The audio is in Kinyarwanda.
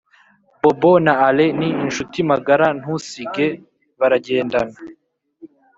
bobo na ale ni inshuti magara ntusige baragendana